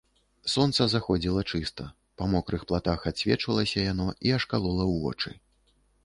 Сонца заходзіла чыста, па мокрых платах адсвечвалася яно і аж калола ў вочы.